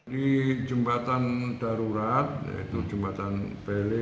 di jembatan darurat yaitu jembatan beli